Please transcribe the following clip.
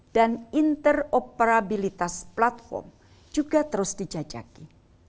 dan interoperabilitas platform juga terus dijajaki